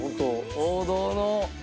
王道の。